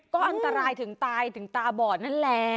ก็อันตรายถึงตายถึงตาบอดนั่นแหละ